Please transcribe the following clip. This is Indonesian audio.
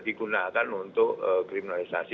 digunakan untuk kriminalisasi